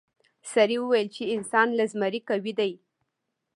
سړي وویل چې انسان له زمري قوي دی.